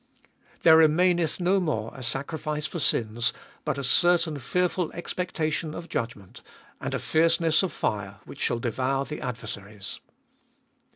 There remaineth no more a sacrifice for sins, but a certain fearful expectation of judgment, and a fierceness of fire, which shall devour the adversaries.